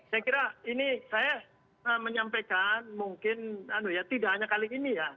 saya kira ini saya menyampaikan mungkin tidak hanya kali ini ya